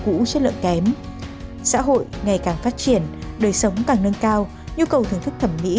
cũ chất lượng kém xã hội ngày càng phát triển đời sống càng nâng cao nhu cầu thưởng thức thẩm mỹ